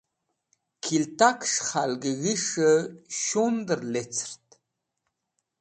Kiltakẽs̃h khalgẽ g̃his̃h shundẽr lekẽrt.